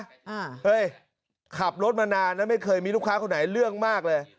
อ่าเฮ้ยขับรถมานานนะไม่เคยมีลูกค้าคนไหนเรื่องมากเลย